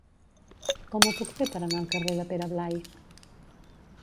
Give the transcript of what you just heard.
Com ho puc fer per anar al carrer de Pere Blai?